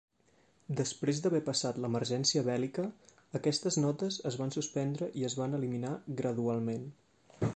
Després d'haver passat l'emergència bèl·lica, aquestes notes es van suspendre i es van eliminar gradualment.